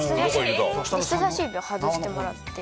人さし指を外してもらって。